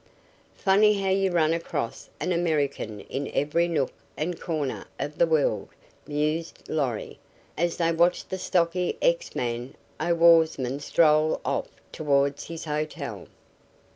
"Funny how you run across an American in every nook and corner of the world," mused Lorry, as they watched the stocky ex man o'warsman stroll off towards his hotel.